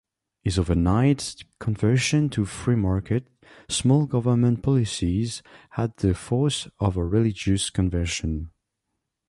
His overnight conversion to free-market, small-government policies had the force of a religious conversion.